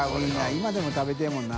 今でも食べたいもんな。